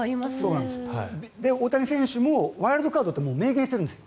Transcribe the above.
大谷選手もワイルドカードって明言してるんです。